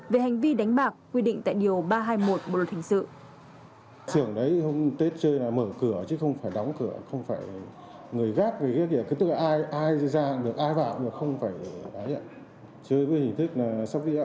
về hành vi đánh bạc quy định tại điều ba trăm hai mươi một bộ luật hình sự